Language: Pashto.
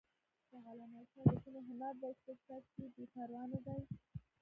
د علامه رشاد لیکنی هنر مهم دی ځکه چې بېپروا نه دی.